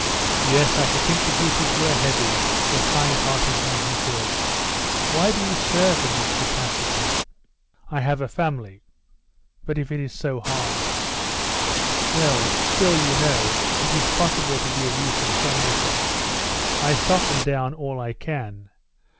"Yes, I should think the duties were heavy for a kind hearted man," he said. "Why do you serve in this capacity?" "I have a family." "But, if it is so hard " "Well, still you know it is possible to be of use in some measure; I soften down all I can.